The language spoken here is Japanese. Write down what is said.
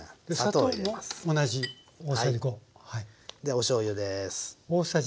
おしょうゆです。